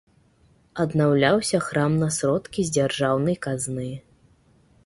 Аднаўляўся храм на сродкі з дзяржаўнай казны.